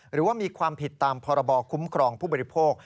หรือว่ามีความผิดตามพรบคุ้มครองผู้บริโภค